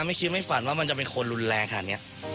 ไม่คิดไม่ฝันว่ามันจะเป็นคนรุนแรงขนาดนี้